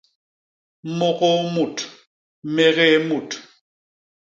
Môgôô mut; mégéé mut.